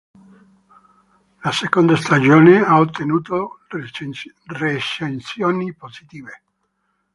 La seconda stagione ha ottenuto recensioni positive.